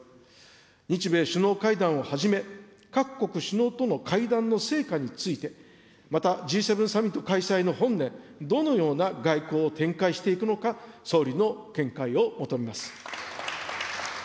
日米首脳会談をはじめ、各国首脳との会談の成果について、またＧ７サミット開催の本年、どのような外交を展開していくのか、総理の見解を求めます。